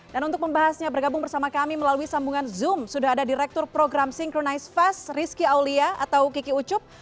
dan untuk membahasnya bergabung bersama kami melalui sambungan zoom sudah ada direktur program synchronize fast rizky aulia atau kiki ucup